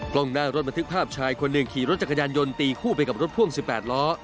กล้องหน้ารถบันทึกภาพชายคนหนึ่งขี่รถจักรยานยนต์ตีคู่ไปกับรถพ่วง๑๘ล้อ